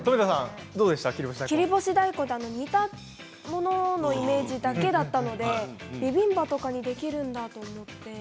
切り干し大根、煮たもののイメージだけだったのでビビンバとかできるんだって